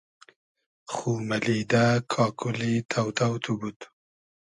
خو مئلیدۂ کاکولی تۆ تۆ تو بود